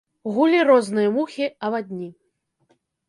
Гулі розныя мухі, авадні.